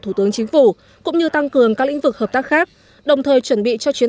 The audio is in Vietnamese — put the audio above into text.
thủ tướng chính phủ cũng như tăng cường các lĩnh vực hợp tác khác đồng thời chuẩn bị cho chuyến